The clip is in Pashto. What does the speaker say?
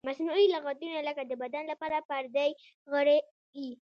مصنوعي لغتونه لکه د بدن لپاره پردی غړی وي.